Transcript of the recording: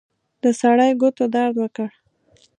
د سړي ګوتو درد وکړ.